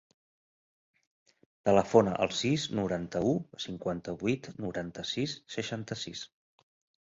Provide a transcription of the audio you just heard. Telefona al sis, noranta-u, cinquanta-vuit, noranta-sis, seixanta-sis.